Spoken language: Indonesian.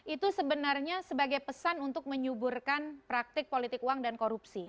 itu sebenarnya sebagai pesan untuk menyuburkan praktik politik uang dan korupsi